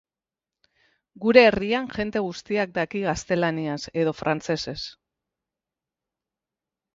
Gure herrian jende guztiak daki gaztelaniaz edo frantsesez.